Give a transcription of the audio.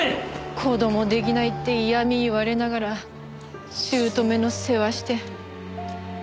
子供出来ないって嫌み言われながら姑の世話して。